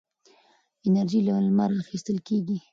انرژي له لمره اخېستل کېږي.